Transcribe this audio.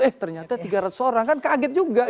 eh ternyata tiga ratus orang kan kaget juga